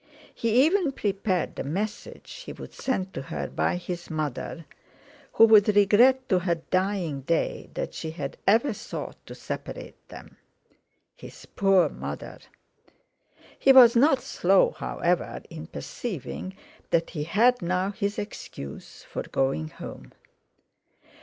He even prepared the message he would send to her by his mother—who would regret to her dying day that she had ever sought to separate them—his poor mother! He was not slow, however, in perceiving that he had now his excuse for going home.